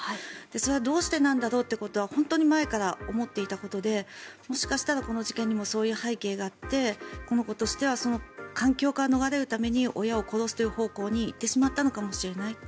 それはどうしてなんだろうということは本当に前から思っていたことでもしかしたら、この事件にもそういう背景があってこの子としてはその環境から逃れるために親を殺すという方向に行ってしまったのかもしれない。